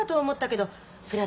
そりゃ